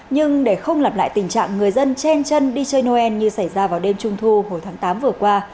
nhưng để không lặp lại tình trạng người dân chen chân đi chơi noel như xảy ra vào đêm trung thu hồi tháng tám vừa qua